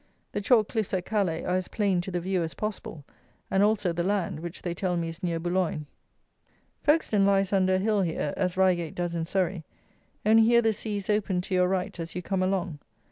The chalk cliffs at Calais are as plain to the view as possible, and also the land, which they tell me is near Boulogne. Folkestone lies under a hill here, as Reigate does in Surrey, only here the sea is open to your right as you come along.